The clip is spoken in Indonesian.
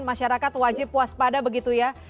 masyarakat wajib puas pada begitu ya